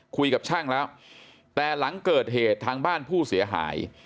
คุยกับช่างแล้วแต่หลังเกิดเหตุทางบ้านผู้เสียหาย